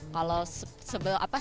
kalau setelah puasa